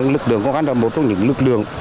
lực lượng công an là một trong những lực lượng